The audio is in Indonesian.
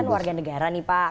ini kan warganegara nih pak